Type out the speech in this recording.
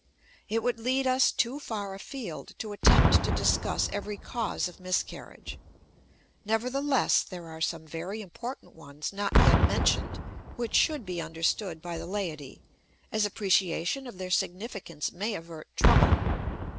It would lead us too far afield to attempt to discuss every cause of miscarriage. Nevertheless, there are some very important ones, not yet mentioned, which should be understood by the laity, as appreciation of their significance may avert trouble.